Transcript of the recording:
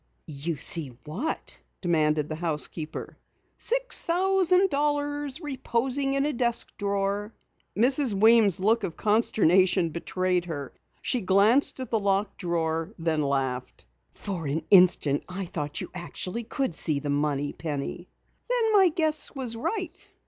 "You see what?" demanded the housekeeper. "Six thousand dollars reposing in a desk drawer!" Mrs. Weems' look of consternation betrayed her. She glanced at the locked drawer, and then laughed. "For an instant I thought you actually could see the money, Penny." "Then my guess was right?"